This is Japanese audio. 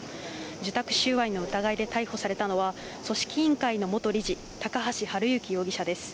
受託収賄の疑いで逮捕されたのは、組織委員会の元理事、高橋治之容疑者です。